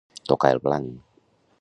Tocar el blanc.